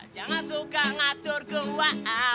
jangan suka ngatur gua